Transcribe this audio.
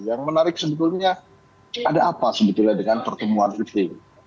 yang menarik sebetulnya ada apa sebetulnya dengan pertemuan itu